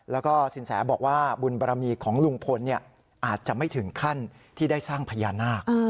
แล้วก็สินแสบอกว่าบุญบารมีของลุงพลอาจจะไม่ถึงขั้นที่ได้สร้างพญานาค